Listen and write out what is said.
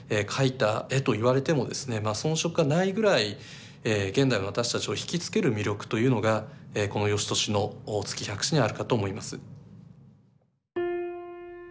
描いた絵と言われてもですねまあ遜色がないぐらい現代の私たちを引き付ける魅力というのがこの芳年の「月百姿」にあるかと思います。